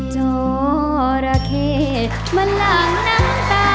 สมาธิพร้อมร้องได้